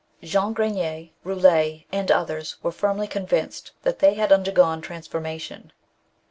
Jean Grenier, Koulet, and others, were firmly convinced that they had undergone transformation.